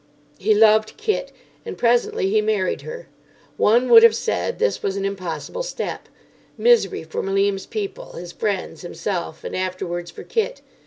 He loved Kit, and presently he married her. One would have said this was an impossible step. Misery for Malim's people, his friends, himself, and afterwards for Kit.